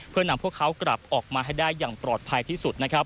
เพื่อนำพวกเขากลับออกมาให้ได้อย่างปลอดภัยที่สุดนะครับ